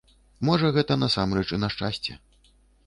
Можа, гэта насамрэч і на шчасце.